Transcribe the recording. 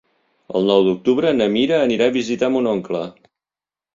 El nou d'octubre na Mira anirà a visitar mon oncle.